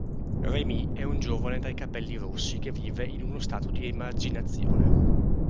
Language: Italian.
Rémy è un giovane dai capelli rossi che vive in uno stato di emarginazione.